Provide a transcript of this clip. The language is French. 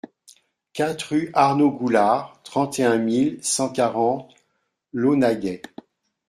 quatre rUE ARNAUD GOULARD, trente et un mille cent quarante Launaguet